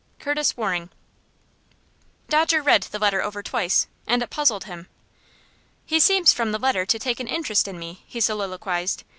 "Curtis Waring." Dodger read the letter over twice, and it puzzled him. "He seems from the letter to take an interest in me," he soliloquized.